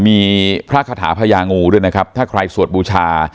มีพระคาถาพญางูด้วยนะครับถ้าใครสวดบูชา